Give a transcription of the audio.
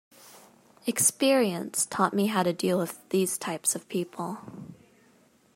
Experience taught me how to deal with these types of people.